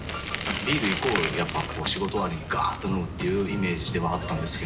ビールイコールやっぱこう仕事終わりにガーっと飲むっていうイメージではあったんですけど。